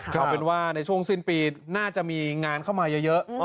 เอาเป็นว่าในช่วงสิ้นปีน่าจะมีงานเข้ามาเยอะ